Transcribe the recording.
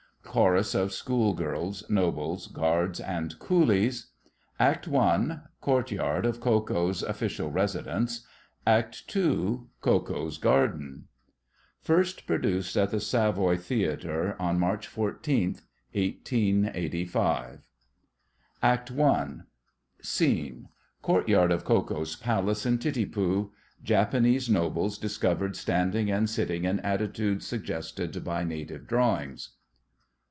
Chorus of School girls, Nobles, Guards, and Coolies. ACT I.—Courtyard of Ko Ko's Official Residence. ACT II.— Ko Ko's Garden First produced at the Savoy Theatre on March 14, 1885. ACT I. SCENE.—Courtyard of Ko Ko's Palace in Titipu. Japanese nobles discovered standing and sitting in attitudes suggested by native drawings.